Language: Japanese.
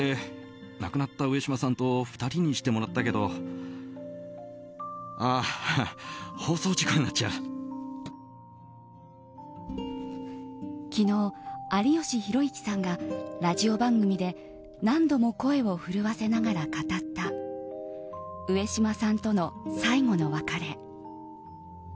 そして不遇の時代を上島さんに支えてもらったという昨日、有吉弘行さんがラジオ番組で何度も声を震わせながら語った上島さんとの最後の別れ。